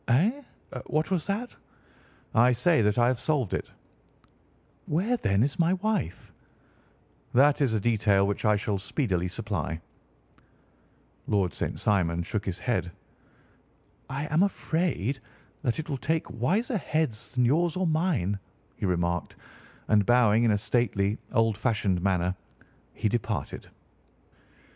"Eh? What was that?" "I say that I have solved it." "Where, then, is my wife?" "That is a detail which I shall speedily supply." Lord St. Simon shook his head. "I am afraid that it will take wiser heads than yours or mine," he remarked, and bowing in a stately, old fashioned manner he departed.